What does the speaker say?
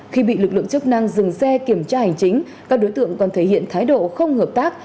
khi bị lực lượng chức năng dừng xe kiểm tra hành chính các đối tượng còn thể hiện thái độ không hợp tác